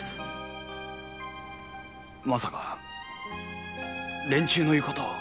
まさか連中の言うことを？